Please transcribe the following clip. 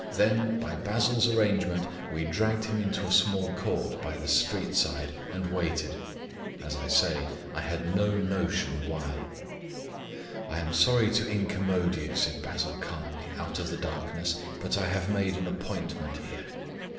Then, by Basil's arrangement, we dragged him into a small court by the street side and waited. As I say, I had no notion why. "I am sorry to incommode you," said Basil calmly out of the darkness; "but I have made an appointment here."